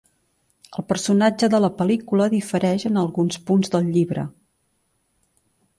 El personatge de la pel·lícula difereix en alguns punts del llibre.